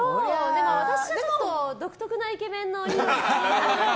私はちょっと独特なイケメンの。